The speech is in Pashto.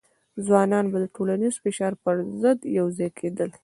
ځوانان به د ټولنیز فشار پر ضد سره یوځای کېدل.